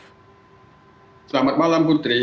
selamat malam putri